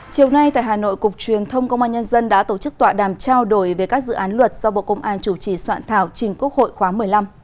chiều nay tại hà nội cục truyền thông công an nhân dân đã tổ chức tọa đàm trao đổi về các dự án luật do bộ công an chủ trì soạn thảo trình quốc hội khóa một mươi năm